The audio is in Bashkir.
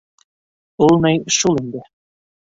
- Ул ни, шул инде.